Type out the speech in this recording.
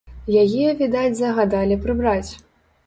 Яе, відаць, загадалі прыбраць.